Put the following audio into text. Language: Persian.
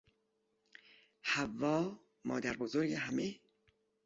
حوا، مادر بزرگ همه